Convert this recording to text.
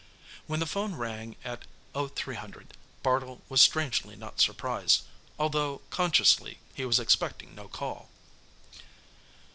When the phone rang at 0300, Bartle was strangely not surprised, although, consciously, he was expecting no call.